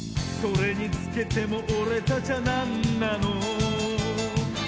「それにつけても俺たちゃなんなの」